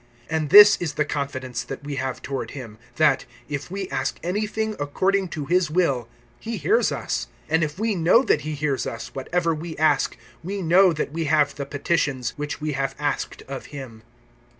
(14)And this is the confidence that we have toward him, that, if we ask anything according to his will, he hears us. (15)And if we know that he hears us, whatever we ask, we know that we have the petitions which we have asked of him.